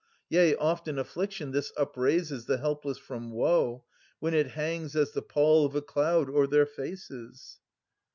Yea, oft in affliction this upraises The helpless from woe, when it hangs as the pall Of a cloud o'er their faces.